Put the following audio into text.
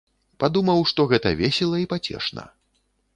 Падумаў, што гэта весела і пацешна.